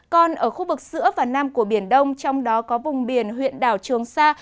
còn ở khu vực giữa và nam của biển đông trong đó có vùng biển huyện đảo trường sa